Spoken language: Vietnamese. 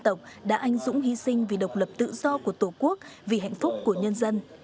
tổ đã anh dũng hy sinh vì độc lập tự do của tổ quốc vì hạnh phúc của nhân dân